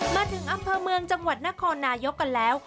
มาถึงอำเภอเมืองจังหวัดนครนายกกันแล้ว